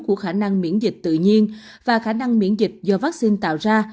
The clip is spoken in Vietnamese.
của khả năng miễn dịch tự nhiên và khả năng miễn dịch do vaccine tạo ra